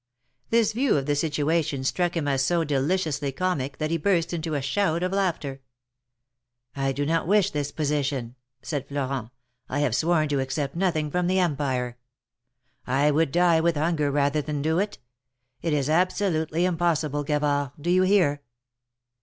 This view of the situation struck him as so deliciously comic that he burst into a shout of laughter. " I do not wish this position," said Florent. " I have sworn to accept nothing from the Empire. I would die with hunger rather than do it. It is absolutely impossi ble, Gavard, do you hear?"